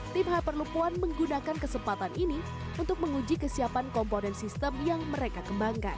tim hyperloop one menggunakan kesempatan ini untuk menguji kesiapan komponen sistem yang mereka kembangkan